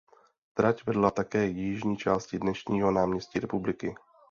Trať vedla také jižní částí dnešního "náměstí Republiky".